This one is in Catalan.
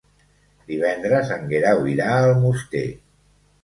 Divendres en Guerau irà a Almoster.